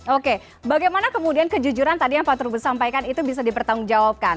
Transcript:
oke bagaimana kemudian kejujuran tadi yang pak trubus sampaikan itu bisa dipertanggungjawabkan